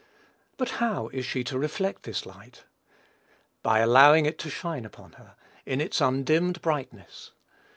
But how is she to reflect this light? By allowing it to shine upon her, in its undimmed brightness.